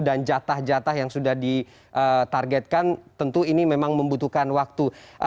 dan jatah jatah yang sudah ditargetkan tentu ini memang membutuhkan waktu